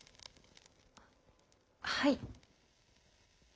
はい。